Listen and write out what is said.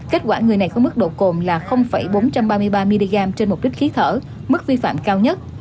kết quả người này có mức độ cồn là bốn trăm ba mươi ba mg trên một lít khí thở mức vi phạm cao nhất